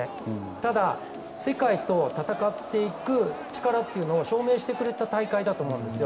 ただ世界と戦っていく力というのを証明してくれた大会だと思うんですよ。